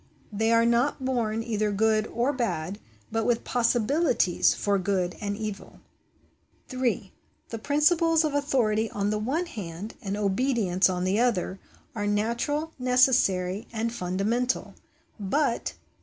They are not born either good or bad, but with possibilities for good and evil. 3. The principles of authority on the one hand and obedience on the other, are natural, necessary and fundamental ; but 4.